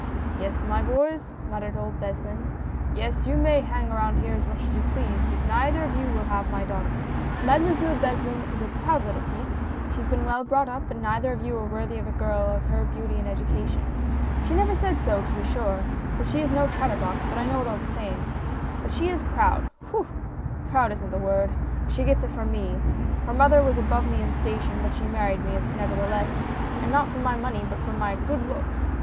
"Yes, my boys," muttered old Beslin, " yes, you may hang around here as much as you please, but neither of you will have my daughter — Mademoiselle Beslin is a proud little piece ; she has been well brought up, and neither of you are worthy of a girl of her beauty and education. " She never said so, to be sure — for she is no chat terbox, but I know it all the same — but she is proud, whew! proud isn't the word — she gets that from me. Her mother was above me in station, but she married me, nevertheless — and not for my money but for my good looks.